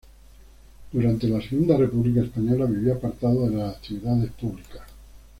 Durante la Segunda República Española vivió apartado de las actividades públicas.